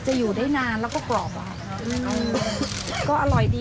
อยู่ได้นานแล้วก็กรอบอะค่ะก็อร่อยดี